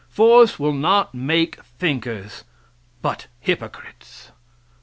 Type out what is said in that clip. Force will not make thinkers, but hypocrites.